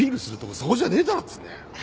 そこじゃねえだろっつうんだよ。